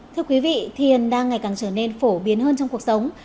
thưa quý vị thiền đang ngày càng trở nên phổ biến hơn trong cuộc sống